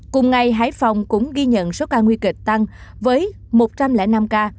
cùng ngày hải phòng cũng ghi nhận số ca nguy kịch tăng với một trăm linh năm ca